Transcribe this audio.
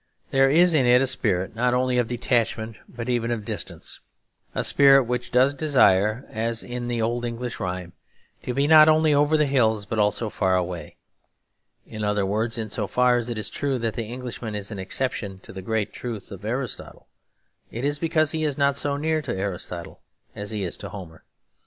There is in it a spirit not only of detachment but even of distance; a spirit which does desire, as in the old English rhyme, to be not only over the hills but also far away. In other words, in so far as it is true that the Englishman is an exception to the great truth of Aristotle, it is because he is not so near to Aristotle as he is to Homer.